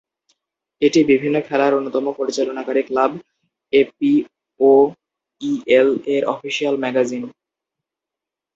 এটি বিভিন্ন খেলার অন্যতম পরিচালনাকারী ক্লাব এপিওইএল-এর অফিশিয়াল ম্যাগাজিন।